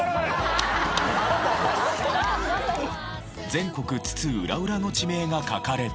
全国津々浦々の地名が書かれている。